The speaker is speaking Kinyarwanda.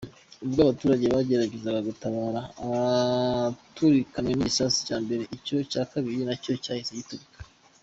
Ubwo abaturage bageragezaga gutabara abaturikanwe n’igisasu cya mbere, icya kabiri nacyo cyahise giturika.